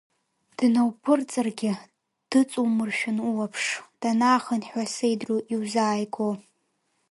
Днауԥырҵыргьы, дыҵумыршәан улаԥш, данаахынҳәуа сеидру иузааиго.